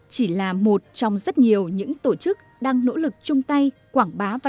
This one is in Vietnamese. chỉ là một trong rất nhiều những tổ chức đang nỗ lực chung tay quảng bá văn hóa thủ đô